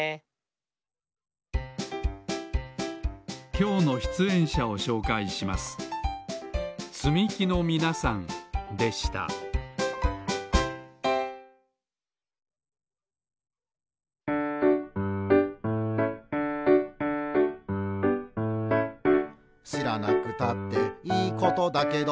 きょうのしゅつえんしゃをしょうかいしますでした「しらなくたっていいことだけど」